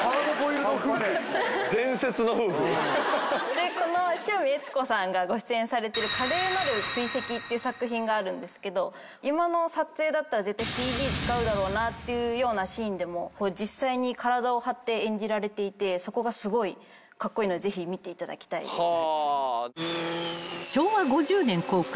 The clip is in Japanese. でこの志穂美悦子さんがご出演されてる『華麗なる追跡』っていう作品があるんですけど今の撮影だったら絶対ＣＧ使うだろうなっていうようなシーンでも実際に体を張って演じられていてそこがすごいカッコイイのでぜひ見ていただきたいです。